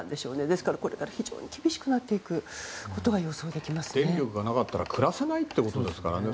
ですから非常に厳しくなっていくことが電力がなかったら暮らせないということですからね。